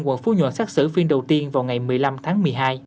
quận phú nhuận xác xử phiên đầu tiên vào ngày một mươi năm tháng một mươi hai